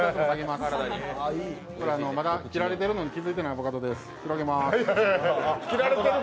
まだ切られるのに気が付いてないアボカドです。